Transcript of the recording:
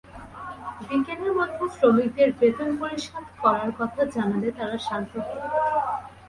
বিকেলের মধ্যে শ্রমিকদের বেতন পরিশোধ করার কথা জানালে তাঁরা শান্ত হন।